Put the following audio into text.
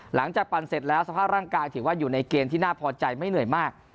ปั่นเสร็จแล้วสภาพร่างกายถือว่าอยู่ในเกณฑ์ที่น่าพอใจไม่เหนื่อยมาก